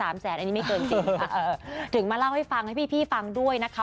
อันนี้ไม่เกินสี่ค่ะเออถึงมาเล่าให้ฟังให้พี่ฟังด้วยนะคะ